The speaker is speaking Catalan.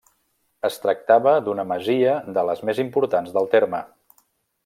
Es tractava d'una masia de les més importants del terme.